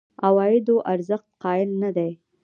عوایدو ارزښت قایل نه دي.